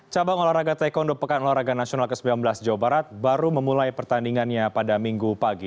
cabang olahraga taekwondo pekan olahraga nasional ke sembilan belas jawa barat baru memulai pertandingannya pada minggu pagi